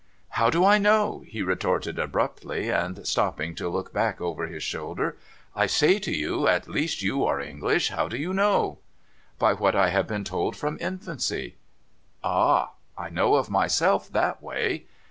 'How do I know?' he retorted abrupUy, and stopping to look hack over his shoulder. ' I say to you, at least you arc English. How do you know ?'* By what I have been told from infancy.' ' Ah ! I know of myself that way.'